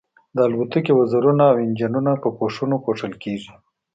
د الوتکې وزرونه او انجنونه په پوښونو پوښل کیږي